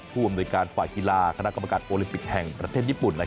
ผู้อำนวยการฝ่ายกีฬาคณะกรรมการโอลิมปิกแห่งประเทศญี่ปุ่น